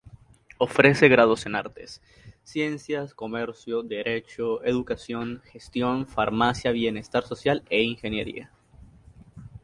Ofrece grados en Artes, Ciencia, Comercio, Derecho, Educación, Gestión, Farmacia, Bienestar Social e Ingeniería.